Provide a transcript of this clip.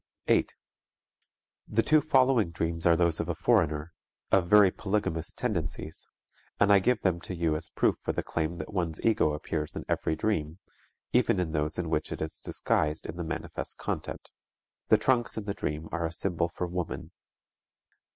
8. The two following dreams are those of a foreigner, of very polygamous tendencies, and I give them to you as proof for the claim that one's ego appears in every dream, even in those in which it is disguised in the manifest content. The trunks in the dream are a symbol for woman.